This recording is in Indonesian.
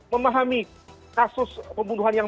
memahami kasus pembunuhan